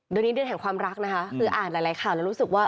เดือนนี้เดือนแห่งความรักนะคะคืออ่านหลายข่าวแล้วรู้สึกว่า